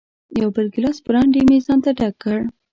یو بل ګیلاس برانډي مې ځانته ډک کړ.